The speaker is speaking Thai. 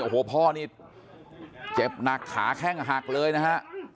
โอ้โหพ่อนี่เจ็บหนักขาแข้งหักเลยนะฮะ